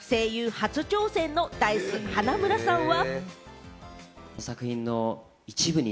初挑戦のＤａ−ｉＣＥ・花村さんは。